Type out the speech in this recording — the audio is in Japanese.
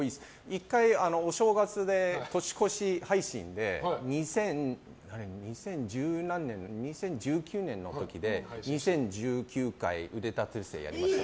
１回、お正月で年越し配信で２０１９年の時で２０１９回腕立て伏せやりました。